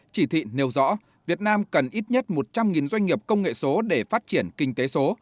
chỉ thị nêu rõ việt nam cần ít nhất một trăm linh doanh nghiệp công nghệ số để phát triển kinh tế số